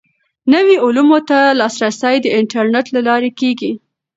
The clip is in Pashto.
نویو علومو ته لاسرسی د انټرنیټ له لارې کیږي.